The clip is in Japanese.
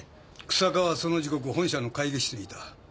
日下はその時刻本社の会議室にいた。